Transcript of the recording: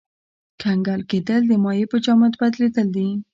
کنګل کېدل د مایع په جامد بدلیدل دي.